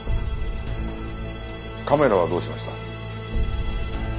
カメラはどうしました？